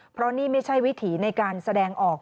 เพราะนี่ไม่ใช่วิถีในการแสดงออก